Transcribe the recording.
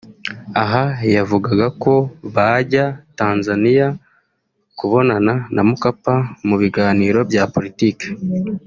aha yavugaga ko bajya Tanzaniya kubonana na Mukapa mu biganiro bya Politiki